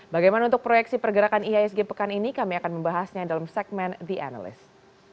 bagaimana untuk proyeksi pergerakan ihsg pekan ini kami akan membahasnya dalam segmen the analyst